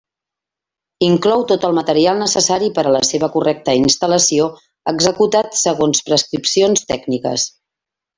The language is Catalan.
Inclou tot el material necessari per a la seva correcta instal·lació, executat segons prescripcions tècniques.